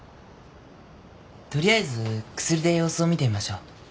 とりあえず薬で様子を見てみましょう。